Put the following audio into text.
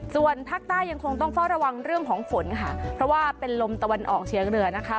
ส่วนภาคใต้ยังคงต้องเฝ้าระวังเรื่องของฝนค่ะเพราะว่าเป็นลมตะวันออกเชียงเหนือนะคะ